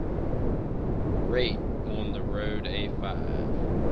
rate On the Road a five